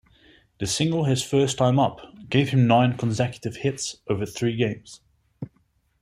The single his first time up gave him nine consecutive hits over three games.